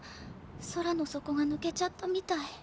空の底が抜けちゃったみたい。